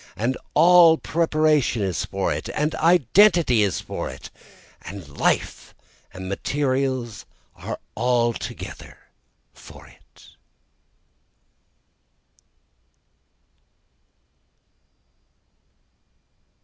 And all preparation is for it and identity is for it and life and materials are altogether for it!